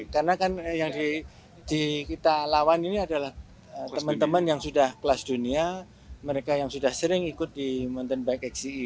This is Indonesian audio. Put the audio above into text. karena kan yang kita lawan ini adalah teman teman yang sudah kelas dunia mereka yang sudah sering ikut di mountain bike xce